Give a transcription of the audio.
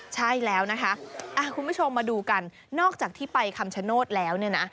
ใช่แล้วนะคะคุณผู้ชมมาดูกันนอกจากที่ไปคำชโนธแล้วเนี่ยนะ